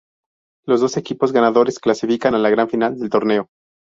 Los dos equipos ganadores clasifican la Gran Final del torneo.